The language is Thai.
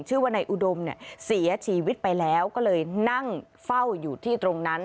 ชื่อว่านายอุดมเนี่ยเสียชีวิตไปแล้วก็เลยนั่งเฝ้าอยู่ที่ตรงนั้น